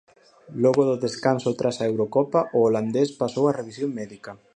Logo do descanso tras a Eurocopa, o holandés pasou a revisión médica.